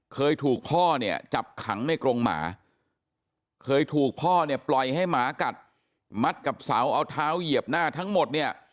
เคยถูกพ่อเนี่ยจับขังในกรงหมาเคยถูกพ่อเนี่ยปล่อยให้หมากัดมัดกับเสาเอาเท้าเหยียบหน้าทั้งหมดเนี่ย